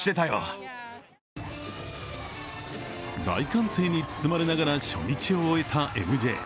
大歓声に包まれながら初日を終えた「ＭＪ」。